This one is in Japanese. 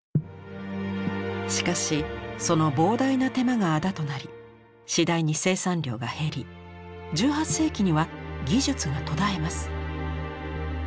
しかしその膨大な手間があだとなり次第に生産量が減り１８世紀には技術が途絶えます。